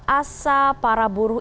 asa para buruh